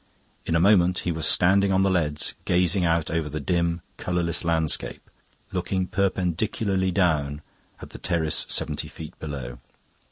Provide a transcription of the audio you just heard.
In a moment he was standing on the leads, gazing out over the dim, colourless landscape, looking perpendicularly down at the terrace seventy feet below.